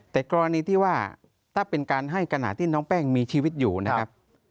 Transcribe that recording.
แต่กรณีที่ว่าถ้าเป็นการให้ขณะที่น้องแป้งมีชีวิตอยู่นะครับ